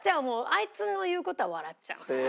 あいつの言う事は笑っちゃう。